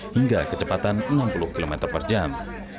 hingga kecepatan enam puluh km per jam